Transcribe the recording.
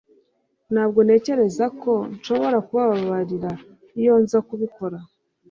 Ntabwo ntekereza ko nshobora kubabarira iyo nza kubikora